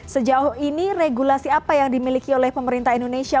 sejauh ini regulasi apa yang dimiliki oleh pemerintah indonesia